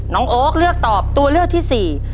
น้องโอ๊คเลือกตอบตัวเลือกที่สี่